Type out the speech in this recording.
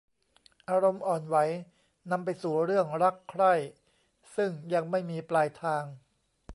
อารมณ์อ่อนไหวนำไปสู่เรื่องรักใคร่ซึ่งยังไม่มีปลายทาง